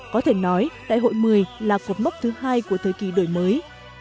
có thể nói đại hội một mươi là cột mốc thứ hai của thời kỳ đổi mới